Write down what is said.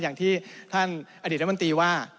อย่างที่ท่านอดีตรัฐมนตรีว่า